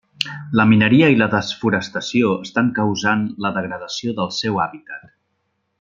La mineria i la desforestació estan causant la degradació del seu hàbitat.